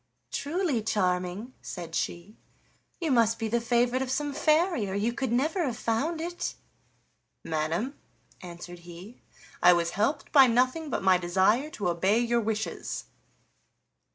"Truly, Charming," said she, "you must be the favorite of some fairy, or you could never have found it." "Madam," answered he, "I was helped by nothing but my desire to obey your wishes."